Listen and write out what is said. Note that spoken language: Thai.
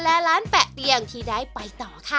และร้านแปะเตียงที่ได้ไปต่อค่ะ